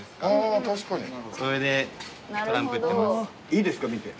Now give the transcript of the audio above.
いいですか見て。